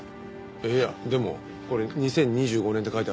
いやでもこれ２０２５年って書いてあるじゃないですか。